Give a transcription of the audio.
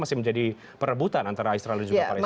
pasti menjadi perebutan antara israel dan juga palestina